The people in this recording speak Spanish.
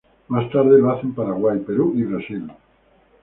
Más tarde lo hace en Paraguay, Perú y Brasil.